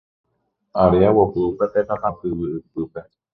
Are aguapy upépe papa tyvy ypýpe